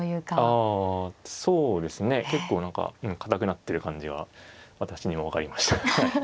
あそうですね。結構何か硬くなってる感じは私にも分かりました。